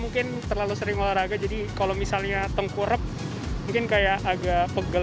mungkin terlalu sering olahraga jadi kalau misalnya tengkurep mungkin kayak agak pegel